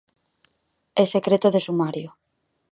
É secreto de sumario".